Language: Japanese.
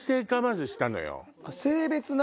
性別な！